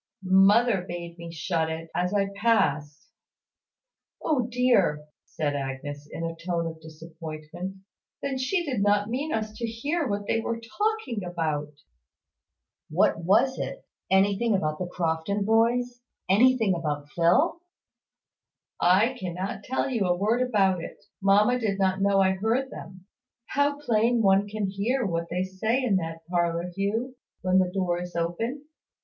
"Mother bade me shut it, as I passed." "O dear!" said Agnes, in a tone of disappointment; "then she did not mean us to hear what they were talking about." "What was it? Anything about the Crofton boys? Anything about Phil?" "I cannot tell you a word about it. Mamma did not know I heard them. How plain anyone can hear what they say in that parlour, Hugh, when the door is open!